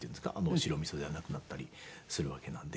白みそではなくなったりするわけなんで。